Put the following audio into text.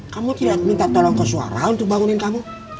kamu tidak minta tolong ke suara untuk bangunin kamu